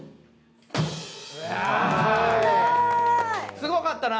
すごかったな。